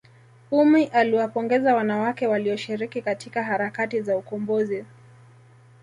ummy aliwapongeza wanawake waliyoshiriki katika harakati za ukombozi